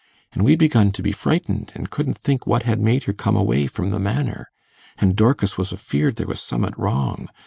An' we begun to be frightened, and couldn't think what had made her come away from the Manor, and Dorkis was afeared there was summat wrong.